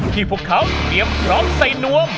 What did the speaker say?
ที่พวกเขาพรีมพร้อมใส่นวม